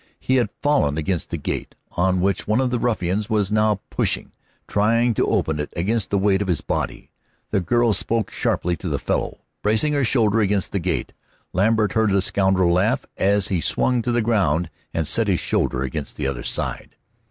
He had fallen against the gate, on which one of the ruffians was now pushing, trying to open it against the weight of his body. The girl spoke sharply to the fellow, bracing her shoulder against the gate. Lambert heard the scoundrel laugh as he swung to the ground and set his shoulder against the other side.